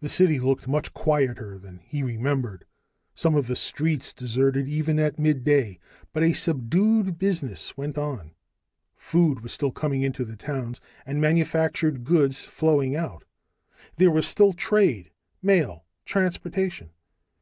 The city looked much quieter than he remembered, some of the streets deserted even at midday, but a subdued business went on. Food was still coming in to the towns, and manufactured goods flowing out; there was still trade, mail, transportation.